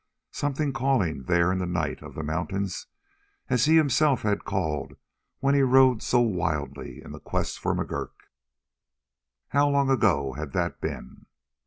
Something calling there in the night of the mountains as he himself had called when he rode so wildly in the quest for McGurk. How long ago had that been?